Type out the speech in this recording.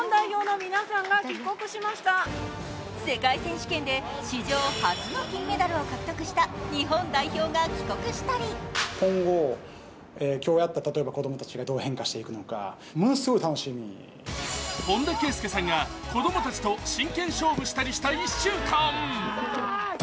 世界選手権で史上初の金メダルを獲得した日本代表が帰国したり本田圭佑さんが子供たちと真剣勝負したりした１週間。